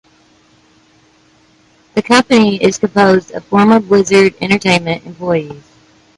The company is composed of former Blizzard Entertainment employees.